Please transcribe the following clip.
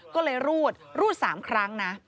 ก็เลยรูดรูด๓ครั้งนะ